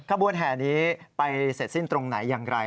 ขบวนแห่นี้ไปเสร็จสิ้นตรงไหนอย่างไร